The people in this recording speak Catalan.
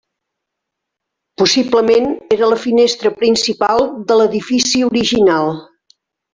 Possiblement era la finestra principal de l’edifici original.